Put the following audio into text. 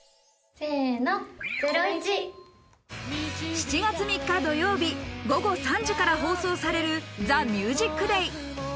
７月３日土曜日、午後３時から放送される『ＴＨＥＭＵＳＩＣＤＡＹ』。